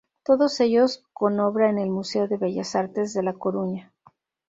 Todos ellos con obra en el Museo de Bellas Artes de La Coruña.